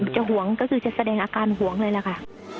ห่วงก็คือจะแสดงอาการห่วงเลยล่ะค่ะ